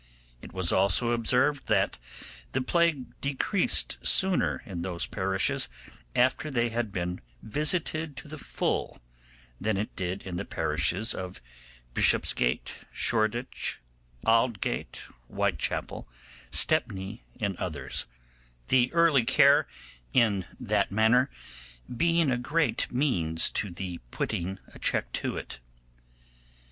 It was also observed that the plague decreased sooner in those parishes after they had been visited to the full than it did in the parishes of Bishopsgate, Shoreditch, Aldgate, Whitechappel, Stepney, and others; the early care taken in that manner being a great means to the putting a check to it.